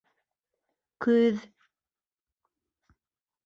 Көҙ